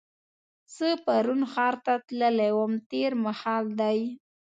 زه پرون ښار ته تللې وم تېر مهال دی.